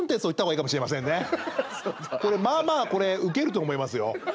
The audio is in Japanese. まあまあこれウケると思いますよ。